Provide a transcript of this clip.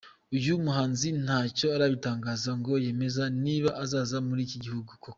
Uyu muhanzi ntacyo arabitangazaho ngo yemeze niba azaza muri iki gihugu koko.